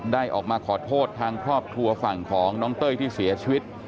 ได้ออกมาขอโทษทางครอบครัวฝั่งของน้องเต้ยที่เสียชีวิต